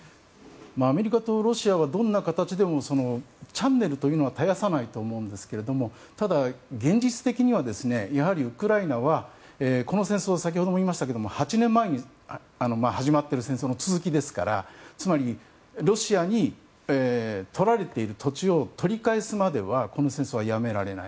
アメリカとロシアはどんな形でもチャンネルというのは絶やさないと思うんですけどただ、現実的にはウクライナはこの戦争、先ほども言いましたが８年前に始まっている戦争の続きですからつまり、ロシアにとられている土地を取り返すまではこの戦争はやめられない。